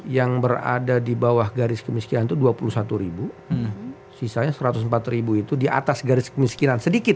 yang berada di bawah garis kemiskinan itu dua puluh satu ribu sisanya satu ratus empat ribu itu di atas garis kemiskinan sedikit